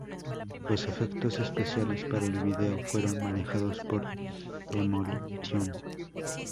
Los efectos especiales para el vídeo fueron manejados por Demolition.